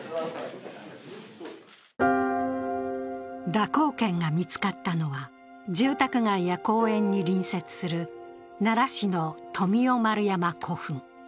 蛇行剣が見つかったのは住宅街や公園に隣接する奈良市の富雄丸山古墳。